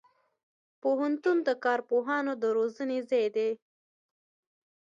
پوهنتون د کارپوهانو د روزنې ځای دی.